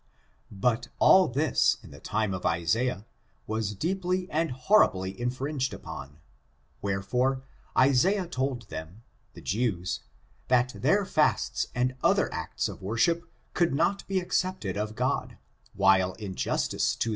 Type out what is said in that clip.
But all this in the time of Isaiah, was deeply and horribly infringed upon, wherefore, Isaiah told them, the Jews, that their fasts and other acts of worship, could not be accepted of God, while injustice to their